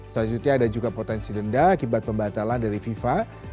selanjutnya ada juga potensi denda akibat pembatalan dari fifa